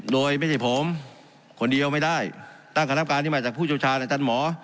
โดยไม่ใช่ผมคนเดียวไม่ได้ตั้งขณะนับการที่มาจากผู้เจ้าชาญในจันทร์หมอ